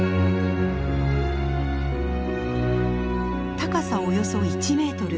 高さおよそ１メートル。